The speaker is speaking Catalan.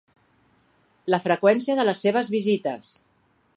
La freqüència de les seves visites.